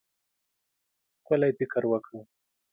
ښکلی فکر وکړه.